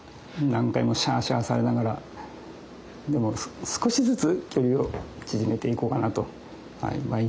何回もシャーシャーされながらでも少しずつ距離を縮めていこうかなと毎日努力しています。